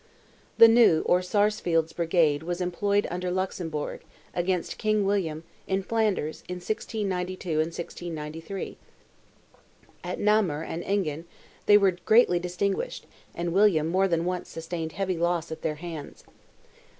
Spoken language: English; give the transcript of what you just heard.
The "New" or Sarsfield's brigade was employed under Luxembourg, against King William, in Flanders, in 1692 and 1693. At Namur and Enghien, they were greatly distinguished, and William more than once sustained heavy loss at their hands.